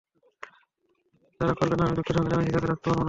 যারা করবে না, আমি দুঃখের সঙ্গে জানাচ্ছি তাদের রাখতে পারব না।